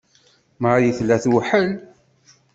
Marie tella tewḥel.